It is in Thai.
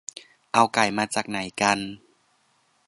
เอาไก่มาจากไหนกัน